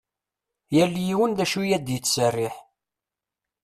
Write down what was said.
Yal yiwen d acu i ad ittserriḥ.